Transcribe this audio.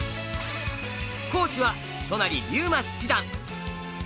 講師は都成竜馬七段。